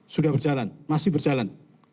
sudah berjalan masih berjalan